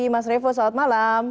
mas revo selamat malam